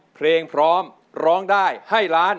เพลงพร้อมร้องได้ให้ล้าน